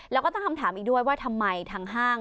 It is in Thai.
แล้วก็ตั้งคำถามอีกด้วยว่าทำไมทางห้าง